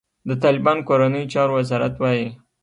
د طالبانو کورنیو چارو وزارت وايي،